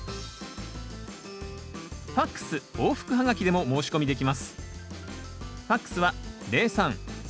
ＦＡＸ往復ハガキでも申し込みできます